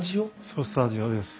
そうスタジオです。